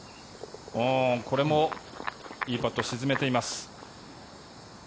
これもいいパットを沈めています。